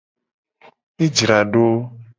E jra do.